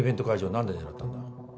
何で狙ったんだ？